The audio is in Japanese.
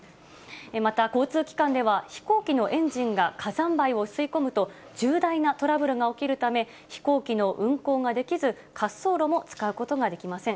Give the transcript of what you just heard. また交通機関では、飛行機のエンジンが火山灰を吸い込むと、重大なトラブルが起きるため、飛行機の運航ができず、滑走路も使うことができません。